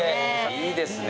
いいですね